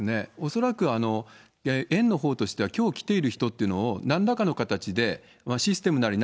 恐らく園のほうとしては、きょう来ている人っていうのを、なんらかの形でシステムなり